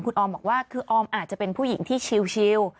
คุณออมบอกว่าคือออมอาจจะเป็นผู้หญิงที่ชิล